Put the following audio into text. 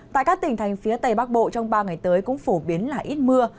tại các tỉnh thành phía tây bắc bộ trong ba ngày tới cũng phổ biến là ít mưa